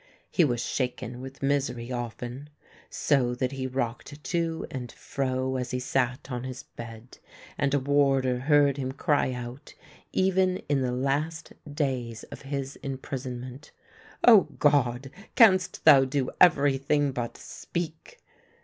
He was shaken with misery often, so that he rocked to and fro as he sat on his bed, and a warder heard him cry out even in the last days of his imprison ment :" O God, canst thou do everything but speak